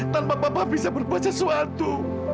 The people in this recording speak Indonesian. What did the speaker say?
tanpa papa bisa berbuat sesuatu